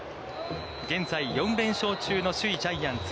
現在、４連勝中の首位ジャイアンツ。